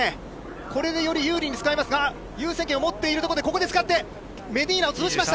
これでより有利に使いますが、優先権を持っているところで、ここで使って、メディーナを潰しました。